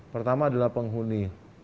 pertama adalah penghuni